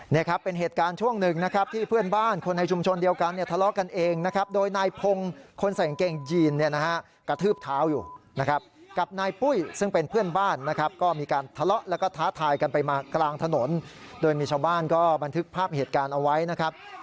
นี่ครับเป็นเหตุการณ์ช่วงหนึ่งนะครับที่เพื่อนบ้านคนในชุมชนเดียวกันเนี่ยทะเลาะกันเองนะครับโดยนายพงศ์คนใส่กางเกงยีนเนี่ยนะฮะกระทืบเท้าอยู่นะครับกับนายปุ้ยซึ่งเป็นเพื่อนบ้านนะครับก็มีการทะเลาะแล้วก็ท้าทายกันไปมากลางถนนโดยมีชาวบ้านก็บันทึกภาพเหตุการณ์เอาไว้นะครับ